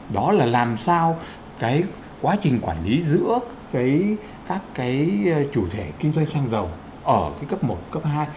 đó là làm sao cái quá trình quản lý giữa các cái chủ thể kinh doanh xăng dầu ở cái cấp một cấp hai